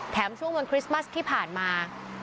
ช่วงวันคริสต์มัสที่ผ่านมา